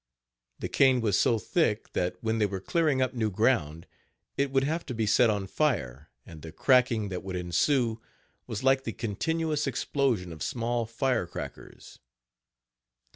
The cane was so thick that when they were clearing up new ground, it would have to be set on fire, and the cracking that would ensue was like the continuous explosion of small fire crackers.